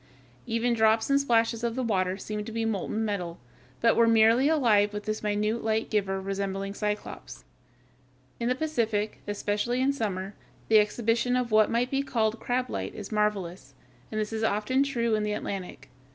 Even drops and splashes of the water seemed to be molten metal, but were merely alive with this minute light giver resembling Cyclops. In the Pacific, especially in summer, the exhibition of what might be called "crab light" is marvelous, and this is often true in the Atlantic.